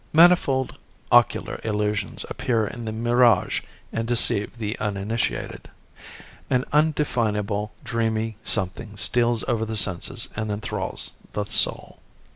Manifold ocular illusions appear in the mirage and deceive the uninitiated. An indefinable dreamy something steals over the senses and enthralls the soul.